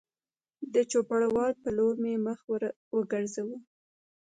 د چوپړوال په لور مې مخ ور وګرځاوه